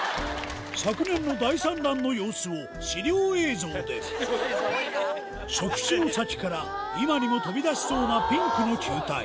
昨年の大産卵の様子を資料映像で触手の先から今にも飛び出しそうなピンクの球体